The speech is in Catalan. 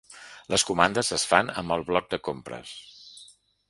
Les comandes es fan amb el bloc de compres.